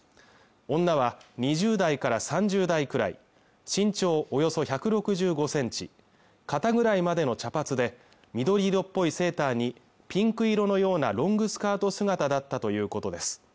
女は２０代から３０代くらい身長およそ１６５センチ肩ぐらいまでの茶髪で緑色っぽいセーターにピンク色のようなロングスカート姿だったということです